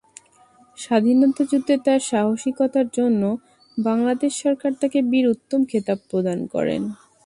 স্বাধীনতা যুদ্ধে তার সাহসিকতার জন্য বাংলাদেশ সরকার তাকে বীর উত্তম খেতাব প্রদান করে।